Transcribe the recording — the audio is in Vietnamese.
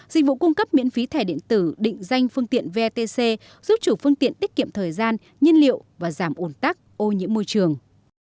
dịch vụ cung cấp miễn phí thẻ điện tử định danh phương tiện vetc giúp chủ phương tiện tiết kiệm thời gian nhiên liệu và giảm ổn tắc ô nhiễm môi trường